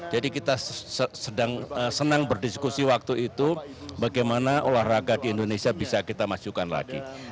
jadi kita senang berdiskusi waktu itu bagaimana olahraga di indonesia bisa kita masukkan lagi